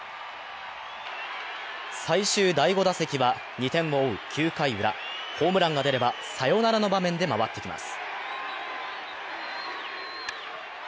最終第５打席は２点を追う９回ウラ、ホームランが出ればサヨナラの場面で回ってきます。